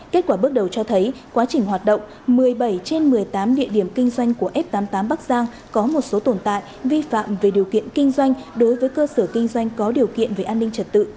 kết quả bước đầu cho thấy quá trình hoạt động một mươi bảy trên một mươi tám địa điểm kinh doanh của f tám mươi tám bắc giang có một số tồn tại vi phạm về điều kiện kinh doanh đối với cơ sở kinh doanh có điều kiện về an ninh trật tự